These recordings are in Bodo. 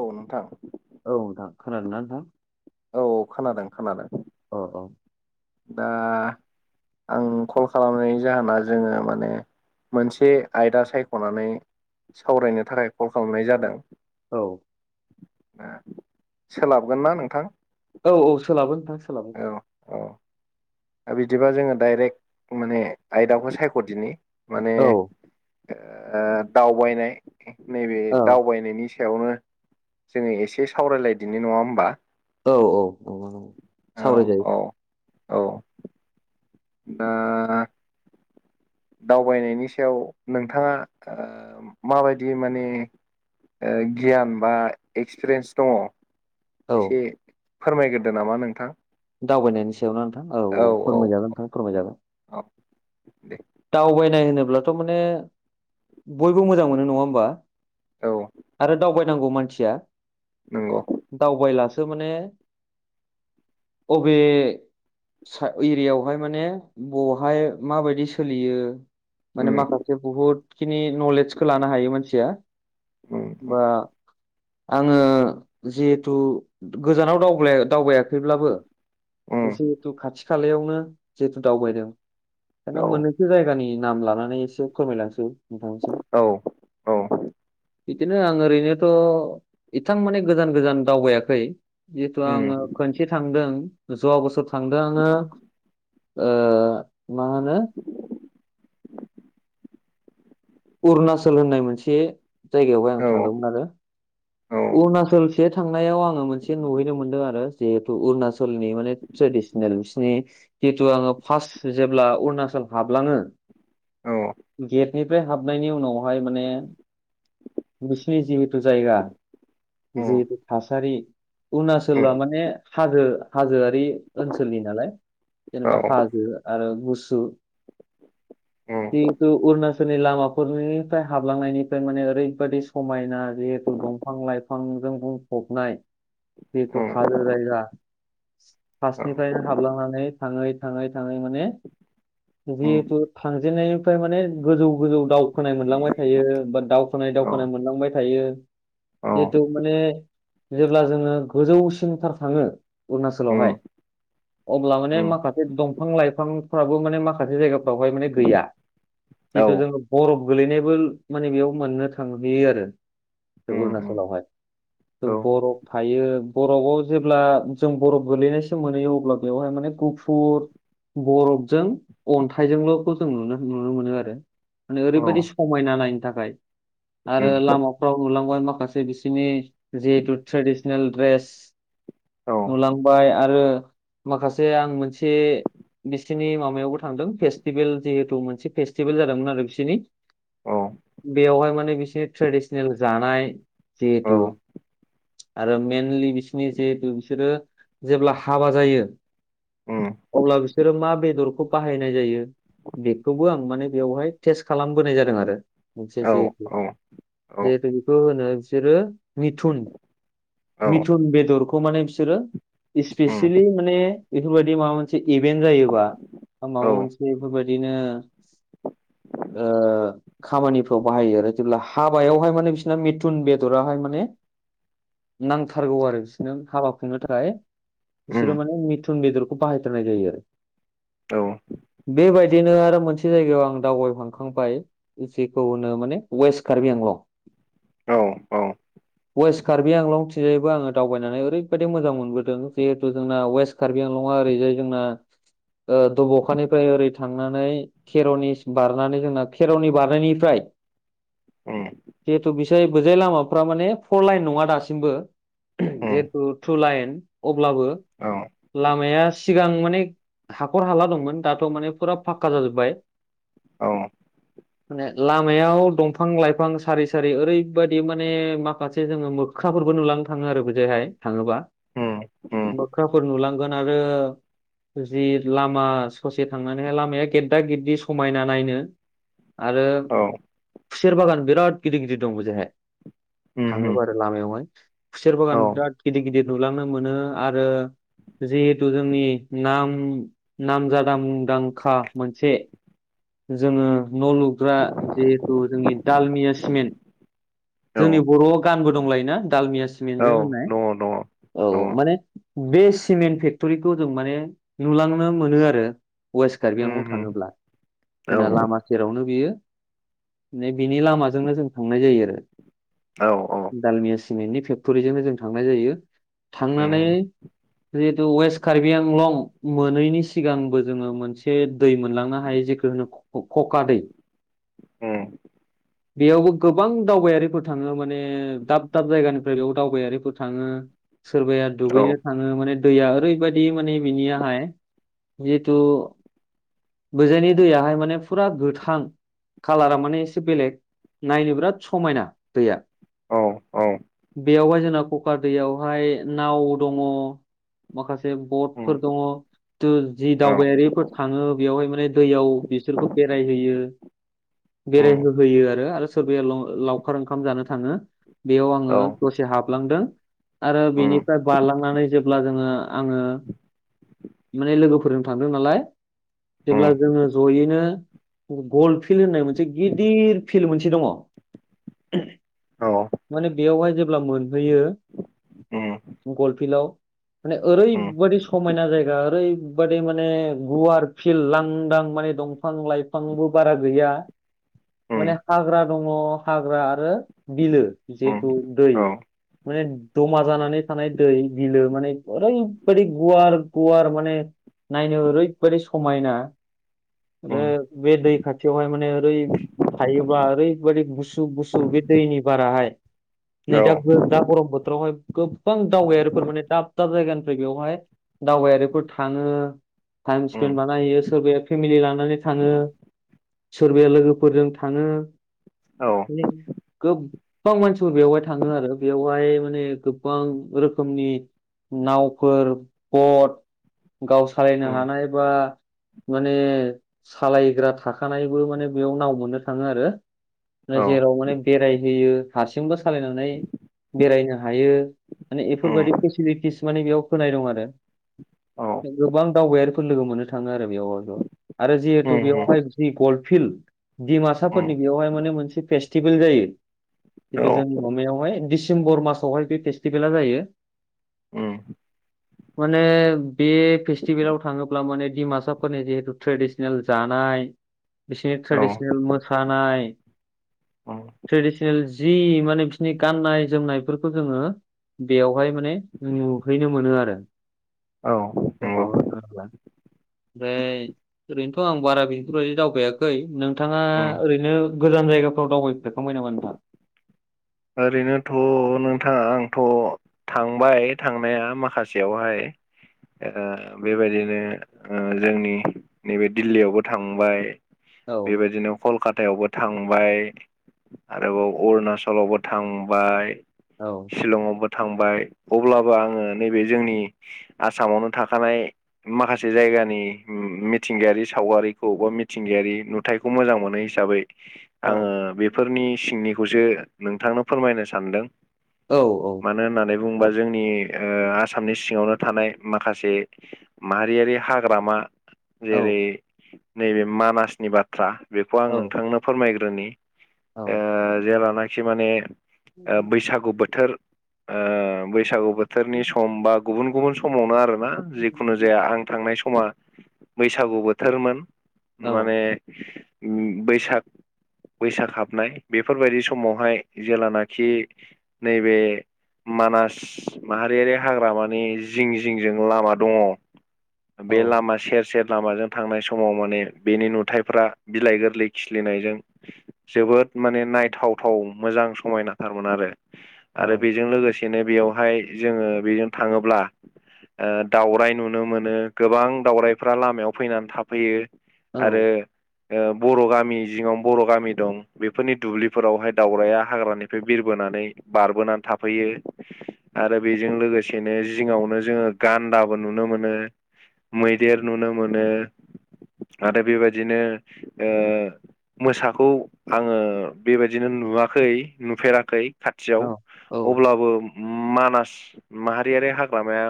औ नोंथां। औ नोंथां खोनादोंना नोंथां? औ खोनादों खोनादों। अ अ। दा आं कल खालामनायनि जाहोना जोङो माने मोनसे आयदा सायख'नानै सावरायनो थाखाय कल खालामनाय जादों। औ। सोलाबगोन ना नोंथां? औ औ सोलाबो नोंथां सोलाबो। औ औ बिदिबा जोङो डाइरेक्ट माने आयदाखौ सायख'दिनि माने औ ओ दावबायनाय नैबे औ दावबायनायनि सायावनो जोङो एसे सावरायलायदिनि नङा होमबा? औ -औ- औ औ सावरायजायो। औ औ दा दावबायनायनि सायाव नोंथाङा ओ माबायदि माने गियान बा एक्सपिरियेन्स दङ? औ एसे फोरमायग्रोदो नामा नोंथां? दावबायनायनि सायावनो नोंथां औ- औ फोरमायजागोन नोंथां फोरमायजागोन। औ दे। दावबायनाय होनोब्लाथ' माने बयबो मोजां मोनो नङा होमबा? औ आरो दावबायनांगौ मानसिया। नंगौ दावबायला थ' माने, अबे एरियाायावहाय माने बावहाय माबायदि [unintelligible] सोलियो माने उम माखासे बुहुद [unintelligible] नलेजखौ लानो हायो मानसिया। उम बा उम आङो जिहेथु गोजानाव दावबा-दावबायाखै [unintelligible] उम जिहेथु खाथि- खालायावनो जिहेथु दावबायदों। दाना औ मोननैसो जायगानि नाम लानानै एसे फोरमायलांसै नोंथांनिसिम औ, औ। बिदिनो आं ओरैनोथ' एथां माने गोजान -गोजान दावबायाखै। जिहेथु आङो उम खनसे थांदों। जवख बोसोर थांदों आङो। मा होनो अरुणाचल होननाय मोनसे जायगायावहाय आं औ थांदोंमोन आरो। औ अरुणाचलसे थांनायाव आङो मोनसे नुहैनो मोनदों आरो। जिहेथु अरुणाचल [unintelligible] माने ट्रेडिसनेल बिसिनि जिथु आङो फार्स्ट जेब्ला अरुणाचल हाबलाङो औ । गेट बेनिफ्राय हाबनायनि उनावहाय माने बिसिनि जिहेथु जायगा उम जिहेतु थासारि अरुनाचलआ उम माने, हाजो हाजोआ [unintelligible] ओनसोलनि नालाय औ जेनेबा हाजो आरो गुसु उम किन्तु अरुणाचलनि लाामा [unintelligible] हाबलांनायनिफ्राय माने ओरैबादि समायना जिहेतु दं बिफां -लाइफांजों बुंफबनाय उम [unintelligible] हाजो जायगा फार्स्टनिफ्रायनो हाबलांनानै थाङै -थाङै [unintelligible] माने जिहेथु थांजेननाय [unintelligible] [unintelligible] माने गोजौ- गोजौ दावखोनाय मोनलांबाय थायो बा दावखोनाय- औ उम औ दावखोनाय मोनलांबाय थायो। औ जिहेथु माने जेब्ला जोङो गोजौसिनथार थाङो। उम उम औ अरुणाचलावहाय उम अब्ला माने उम माखासे दंफां- लाइफांफ्राबो माने माखासे जायगा बावहाय माने गैया औ उम औ जिथु जोङो बरफ गोलैनायबो माने बेयाव मोननो थांहैयो आरो। अरुणाचलावहाय बरफ थायो। बरफआव जेब्ला जों बरफ गोलैनायसिम मोनहैयो। अब्ला बेवहाय माने गुफुर बरफजों अन्थाइजोंल'खौ जों नुनो- नुनो मोनो आरो। माने ओरैबायदि औ समायना नायनो थाखाय। आरो लामाफ्राव नुलांबाय माखासे, बिसोरनि जिहेथु ट्रेडिसनेल ड्रेस नुलांबाय आरो माखासे आं मोनसे बिसिनि माबायावबो थांदों फेस्टिभेल, जिहेथु मोनसे फेस्टिभेल जादोंमोन आरो बिसिनि बेवहाय माने बिसिनि ट्रेडिसनेल जानाय जिहेथु आरो मेनलि बिसिनि जिहेथु बिसोरो जेब्ला हाबा जायो। उम अब्ला बिसोरो मा बेदरखौ बाहायनाय जायो बेखौबो आं माने बेयावहाय टेस्ट खालामबोनाय जादों आरो। मोनसे औ जिहेथु- औ जिहेथु बेखौ होनो बिसोरो मिथुन- औ मिथुन बेदरखौ माने बिसोरो उम इस्पेसियेलि माने बेफोरबायदि माबा मोनसे इभेन्ट जायोबा माबा औ मोनसे बेफोरबायदिनो ओ खामानिफ्राव बाहायो आरो जेब्ला हाबायावहाय माने सोरना मिथुन बेदराहाय माने नांथारगौ आरो बिसोरनो हाबा खुंनो थाखाय बिसोरो उम माने मिथुन बेदरखौ बाहायथारनाय जायो आरो औ। बिदिनो आरो मोनसे जायगायाव आं दावबायहांखांबाय जेखौ होनो माने वेस्ट कार्बि आंलं। औ औ। वेस्ट कारबि आंलं थिजायबो आङो दावबायनानै ओरैबायदि मोजां मोनबोदों जिहेथु जोंना वेस्ट कार्बि आंलंआ ओरैजाय जोंना ओ दब'खानिफ्राय ओरै थांनानै खेर'नि बारनानै जोंना खेर'नि बारनायनिफ्राय उम। जिहेथु बिसाय बोजाय लामाफ्रा माने फर लाइन नङा दासिमबो उम जिहेथु टु लाइन। अब्लाबो औ लामाया सिगां माने हाखर हाला दंमोन दाथ' माने फुरा फाक्का जाजोब्बाय। औ। माने लामायाव दंफां लाइफां सारि सा सारि ओरैबादि माने माखासे जोङो मोख्राफोरबो नुलांनो थाङो आरो बिजोहाय थाङोबा। उम उम मोख्राफोर नुलांगोन आरो जि लामा ससे थांनानैहाय लामाया गेददा गेददि समायना नायनो। आरो औ खुसेर बागान बिराद गिदिर गिदिर दं बिजोहाय। उमहो थाङोबा आरो लामायावहाय खुसेर औ बागान बिराद गिदिर गिदिर नुलांनो मोनो आरो जिहेथु जोंनि नाम नामजादा मुंदांखा मोनसे जोङो न' लुग्रा जिहेथु जोंनि दालमिया सिमेन्ट। जोंनि बर'आव गानबो दंलायोना दालमिया औ सिमेन्टजों होननाय दङ औ औ दङ माने बे सिमेन्ट फेक्टरिखौ जों माने नुलांनो मोनो आरो। वेस्ट कार्बि आंलं थाङोब्ला दङ जोंना लामा सेरावनो बियो बिनि लामाजोंनो जों थांनाय जायो आरो। औ औ। दालमिया सिमेन्टनि फेक्ट'रिजोंनो जों थांनाय जायो थांनानै उम जिहेतु वेस्ट कार्बि आंलं मोनैनि सिगांबो जोङो मोनसे दै मोनलांनो हायो जेखु कखा दै। ए। बेयावबो गोबां दावबायारि फोर थाङो माने दाब दाब जायगानिफ्राय बेयाव दावबायारिफोर थाङो। सोरबाया औ दुगैनो थाङो माने दैया ओरैबायादि माने बिनियाहाय जिथु बोजायनि दैयाहाय माने फुरा गोथां। कालारा माने एसे बेलेग नायनो बिराद समायना दैया। औ औ बेयावबा जेन कका दैयावहाय नाव दङ माखास से बटफोर उम दङ दों जि औ दावबायारिफोर थाङो। बेवहाय माने दैयाव बिसोरखौ बेरायहैयो उम बेरायहोहोयो आरो। आरो सोरबाया ल लावखार ओंखाम जानो थाङो। बेयाव आङो औ दसे हाबलांदों आरो उम बेनिफ्राय बारलांनानै जे अब्ला जोङो आङो माने लोगोफोरजों थांदों नालाय। उम गल फिल्ड होननाय मोनसे गिदिर फिल्ड मोनसे दङ। औ माने बेयावहाय जेब्ला मोनहैयो उम गल फिल्डआव माने उम ओरैबादि समायना जायगा ओरैबादि माने गुवार। फिल्ड लांदां माने दंफां लाइफांबो बारा गैया। माने उम हाग्रा दङ हाग्रा आरो बिलो। जितु उम दै औ माने जमा जानानै थानाय दै बिलो माने ओरैबायदि गुवार गुवार माने नायनो ओरैबदि समायना। आरो उम औ बे दै खाथियावहाय माने ओरै थायोब्ला ओरैबायदि गुसु। गुसु गुसु बे दैनि बाराहाय नै दा दा गरम बोथोरावहाय गोबां दावबायारिफोर माने दा दाब दाब जायगानिफ्राय बेवहाय दावबायारिफोर थाङो टाइम उम बानायहैयो सोरबाया फेमिलि लानानै थाङो सोरबाया लोगोफोरजों थाङो औ [unintelligible] गोबां मानसिफोर बेवहाय थाङो आरो बेवहाय माने गोबां रोखोमनि नावफोर बट गाव सालायनो उम हानाय बा माने सालायग्रा थाखानायबो माने बेयाव नाव मोननो थाङो आरो औ उम औ जेराव माने बेरायहोयो हारसिंबो सालायनानै बेरायनो हायो माने बेफोरबायदि उमहो फेसिलिटिस माने बेयाव होनाय दं आरो गोबां दावबायारि लोगो मोननो थाङो आरो बेयावहाय आरो जिहेथु उम बेयावहाय फिल्ड डिमासाफोरनि बेवहाय माने मोनसे फेस्टिभेल जायो। खिन्थु औ जोंनि मामायावहाय डिसेम्बर मासावहाय बे फेस्टिभेला जायो ए माने बे फेस्टिभेलाव थाङोब्ला माने डिमासाफोरनि जिहेतु ट्रेडिसनेल जानाय बिसोरनि ट्रेडिसनेल मोसानाय उम औ उम ट्रेडिसनेल जि माने बिसोरनि गाननाय जोमनायफोरखौ जोङो बेयावहाय माने नुहैनो मोनो आरो औ जों औ माबायाव थाङोब्ला ओमफ्राय ओरैनोथ' आं बारा बेफोरबायदि दावबायाखै नों नोंथाङा उम ओरैनो गोजान जायगाफ्राव दावबायफेरखांबाय नामा नोंथां ओरैनोथ' नोंथाङा आंथ' थांबाय थांनाया माखासेयावहाय बेबायदिनो जोंनि नैबे दिल्लियावबो थांबाय औ बेबायदिनो कलकातायावबो थांबाय आरोबाव अरुणचलावबो थांबाय औ चिलंआवबो थांबाय अब्लाबो आङो नैबे जोंनि आसामावनो थाखानाय माखासे जायग जायगानि मिथिंगायारि सावगारिखौ बा मिथिंगायारि नुथायाइखौ मोजां मोनो हिसाबै आङो औ बेफोरनि सिंनिखौसो नोंथांनो फोरमायनो सानदों। औ औ। बुंबा जोंनि ओ आसामनि सिङावनो थानाय माखासे माहारियारि हाग्रामा औ जेरै नैबे मानासनि बाथ्रा बेखौ आं औ नोंथांनो फोरमायग्रोनि ओ औ जेलानाखि माने ओ बैसागु बोथोर ओ बैसागु बोथोरनि औ सम बा गुबुन गुबुन समावनो आरो। बा औ जिखुनु जाया आं थांनाय समा बैसागु बोथोरमोन। औ माने बैसाग बैसाग हाबनाय बेफोरबायदि सम समावहाय जेलानाखि नैबे मानास माहारियारि हाग्रामानि जिं जिंजों लामा दङ। औ बे लामा सेर सेर लामाजों थांनाय समाव माने बेनि नुथायाइफ्रा बिलाइ गोरलै खिलिनायजों जोबोद माने नायथावथाव मोजां समायनाथारमोन आरो औ आरो बेजों लोगोसे बिनो बेयावहाय जोङो बेजों थाङोब्ला ओ दावराय नुनो मोनो ।गोबां दाावरायफ्रा लामायाव फैनानै थाफैयो। औ आरो ओ बर' गामि जिङाव बर' गामि दं बेफोरनि दुब्लिफोरावहाय दावराया हाग्रानिफ्राय बिरबोनानै बारबोनानै थाफैयो आरो बेजों लोगोसेनो जिङावनो जोङो गान्दाबो नुनो मोनो मैदेर नुनो मोनो आरो बेबायदिनो ओ मोसाखौ आङो बेबायदि नो नुवाखै नुफेराखै औ खाथियाव अब्लाबो मानास माहारियारि हाग्रामाया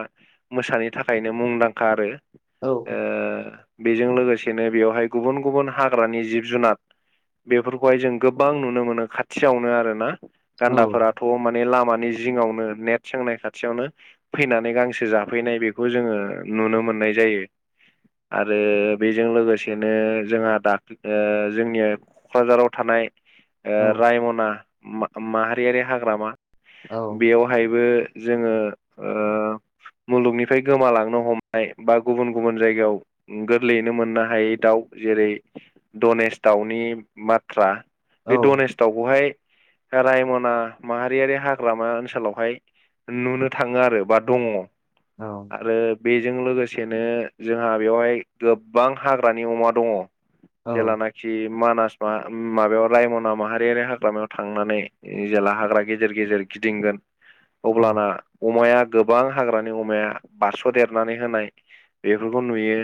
मोसानि थाखायनो मुंदांखा आरो औ ओ बेजों लोगोसेनो बेवहाय गुबुन गुबुन हाग्रानि जिब जुनार बेफोरखौहाय जों गोबां नुनो मोनो खाथियावनो आरोना गान्दाफोराथ' माने लामा जिंआवनो नेट सोंनाय खाथियावनो फैनानै गांसो जाफैनाय बेखौ जोङो नुनो मोन नाय जायो आरो बेजों लोगोसेनो जोंहा दाख जोंनिया क'क्राझाराव थानाय नाय ओ औ रायमना माहारियारि हाग्रामा बेयावहायबो जोङो ओ मुलुग निफ्राय गोमालांनो हमनाय बा गुबुन गुबुन जायगायाव गोरलैयैनो मोननो हायै दाउ जेरै दनेस दाउनि बाथ्रा औ बे डनेस दाउखौहाय रायमना माहारियारि हाग्रामा ओनसोलावहाय नुनो थाङो आरो बा दङ आरो बेजों लोगो सेनो जोंहा बेवहाय गोबां हाग्रानि अमा दङ औ जेलानाखि मानास मा माबायाव रायमना माहारियारि हाग्रामायाव थांनानै जेला हाग्रा गेजेर गेजेर गिदिंगोन अब्लाना अमाया गोबां हाग्रानि अमाया बारस'देरनानै होनाय बेफोरखौ नुयो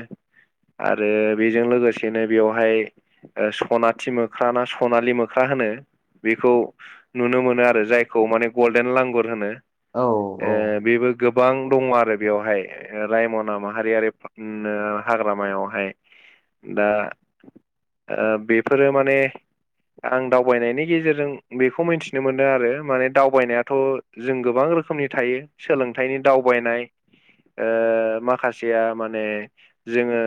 आरो बेजों लोगोसेनो बेवहाय सनाथि मोख्राना सनालि मोख्रा होनो बेखौ नुनो मोनो आरो जायखौ माने गल्डेन लांगुर होनो ओ औ बेबो गोबां दङ आरो बेवहाय रायमना माहारियारि ओ हाग्रामायावहाय दा ओ बेफोरो माने आं दावबायनायनि गेजेरजों बेखौ मिथिनो मोनदों आरो माने दावबायनायाथ' जों गोबां गोबां रोखोमनि थायो सोलोंथाइनि दावबायनाय ओ माखासेया माने जोङो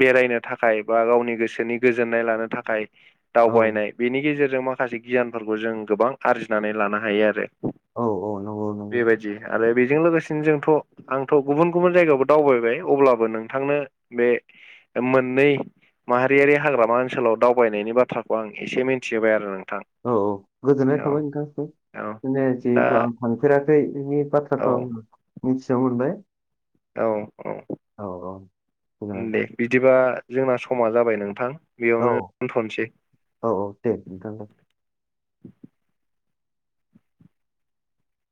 बेरायनो थाखाय बा गावनि गोसोनि गोजोननाय लानो थाखाय दावबायनाय बेनि गेजेरजों माखासे गियानफोरखौ जों गोबां आरजिनानै लानो हायो आरो औ औ नंगौ नंगौ बेबायदि आरो बेजों लोगोसेनो जोंथ' आंथ' गुबुन गुबुन जायगायावबो दावबायबाय अब्लाबो नोंथांनो बे मोननै माहारियारि हाग्रामा ओनसोलाव दाव थगायनायनि बाथ्राखौ आं एसे मिन्थिहोबाय आरो नों औ औ गोजोननाय थाबाय नोंथांनिसिम औ बिदिनो दा जिहेथु आं थांफेराखै बिनि औ बाथ्राखौ आं मिनथिना मोनबाय औ औ औ औ गोजोननाय दे थाबाय बिदिबा जोंना समा जाबाय नोंथां औ बेयावनो दोनथनसै। [inaudible] औ औ दे नोंथां दे